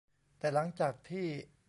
แต่หลังจากที่